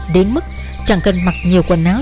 đến mức chẳng cần mặc nhiều quần áo